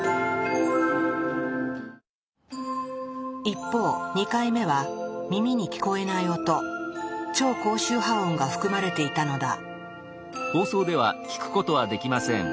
一方２回目は耳に聞こえない音「超高周波音」が含まれていたのだ。